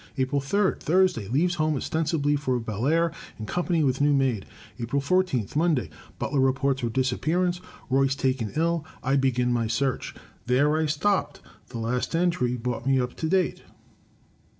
April 3, Thursday — Leaves home ostensibly for Belair, in com pany with new maid. April 14, Monday — Butler reports her disappearance; Royce taken ill; I begin my search. There I stopped. The last entry brought me up to date.